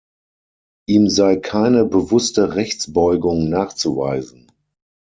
Ihm sei keine „Bewusste Rechtsbeugung“ nachzuweisen.